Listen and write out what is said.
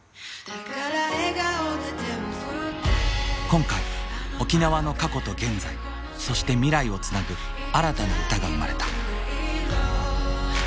今回沖縄の過去と現在そして未来をつなぐ新たな歌が生まれた。